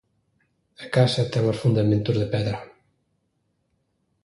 A casa ten os fundamentos de pedra.